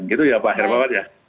gitu ya pak akhirnya